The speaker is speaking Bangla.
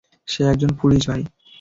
সে একজন পুলিশ, ভাই।